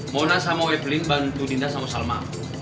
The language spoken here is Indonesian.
mona sama webling bantu dinda sama salma